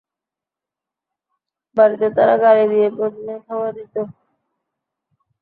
বাড়িতে তারা গালি দিয়ে প্রতিদিন খাবার দিতো।